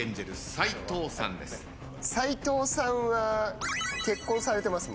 斎藤さんは結婚されてますもんね。